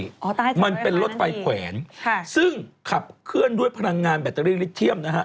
อ๋อต้องให้สำเร็จไหมนั่นสิมันเป็นรถไฟแขวนซึ่งขับเคลื่อนด้วยพลังงานแบตเตอรี่ลิเทียมนะฮะ